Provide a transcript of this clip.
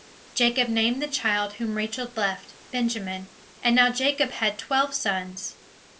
Jacob named the child whom Rachel left, Benjamin; and now Jacob had twelve sons.